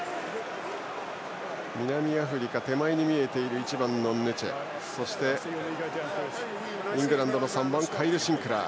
南アフリカ、１番のヌチェそして、イングランドの３番カイル・シンクラー。